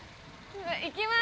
行きます。